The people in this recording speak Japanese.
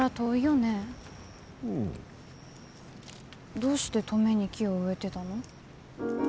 どうして登米に木を植えてたの？